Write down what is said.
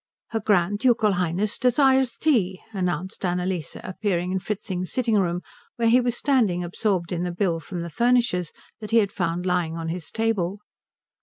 "Her Grand Ducal Highness desires tea," announced Annalise, appearing in Fritzing's sitting room, where he was standing absorbed in the bill from the furnishers that he had found lying on his table.